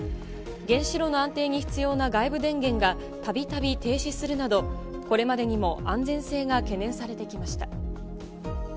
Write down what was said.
原子炉の安定に必要な外部電源がたびたび停止するなど、これまでにも安全性が懸念されてきました。